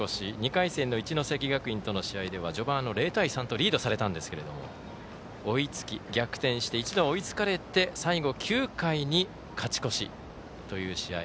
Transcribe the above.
２回戦の一関学院との試合では序盤、０対３とリードされたんですけど追いつき、逆転して一度は追いつかれて最後９回に勝ち越しという試合。